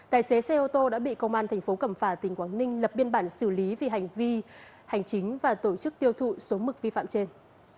tài xế xe ô tô đã bị công an thành phố cẩm phả tỉnh quảng ninh lập biên bản xử lý vì hành vi hành chính và tổ chức tiêu thụ số mực vi phạm trên